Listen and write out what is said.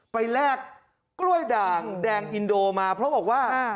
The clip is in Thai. แลกกล้วยด่างแดงอินโดมาเพราะบอกว่า